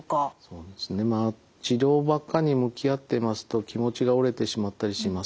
そうですね治療ばっかりに向き合ってますと気持ちが折れてしまったりします。